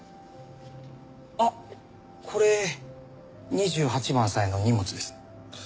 あっこれ２８番さんへのお荷物です。